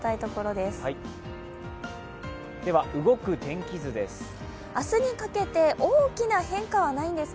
では動く天気図です。